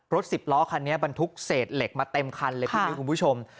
สิบล้อคันนี้บรรทุกเศษเหล็กมาเต็มคันเลยพี่มิ้วคุณผู้ชม